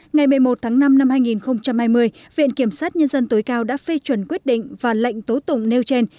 ngày một mươi một tháng năm năm hai nghìn hai mươi viện kiểm sát nhân dân tối cao đã phê chuẩn quyết định và lệnh tố tụng nêu trên